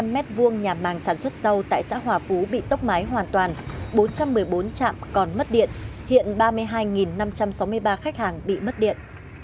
một trăm linh m hai nhà màng sản xuất rau tại xã hòa phú bị tốc mái hoàn toàn bốn trăm một mươi bốn trạm còn mất điện hiện ba mươi hai năm trăm sáu mươi ba khách hàng bị mất điện